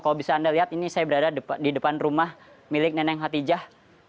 kalau bisa anda lihat ini saya berada di depan rumah milik neneng khatijah